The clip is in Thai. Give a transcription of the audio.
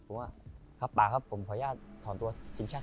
ผมว่าครับป่าครับผมขออนุญาตถอนตัวทีมชาติ